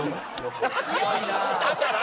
だから！